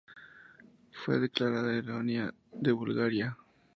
Fue declarada heroína de Bulgaria.